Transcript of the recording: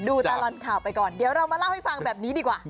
ดูตลอดข่าวไปก่อนเดี๋ยวเรามาเล่าให้ฟังแบบนี้ดีกว่า